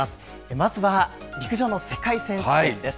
まずは陸上の世界選手権です。